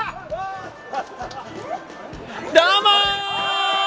どうも！